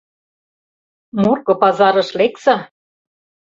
Морко пазарыш лекса.